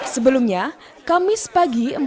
sebelumnya kamis pagi